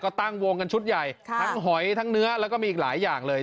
ก็ตั้งวงกันชุดใหญ่ทั้งหอยทั้งเนื้อแล้วก็มีอีกหลายอย่างเลย